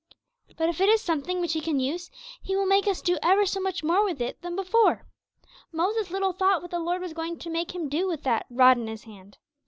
But if it is something which He can use, He will make us do ever so much more with it than before. Moses little thought what the Lord was going to make him do with that 'rod in his hand'!